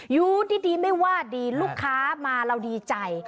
อยู่ดีไม่ว่าดีลูกค้ามาเราดีใจ